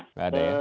tidak ada ya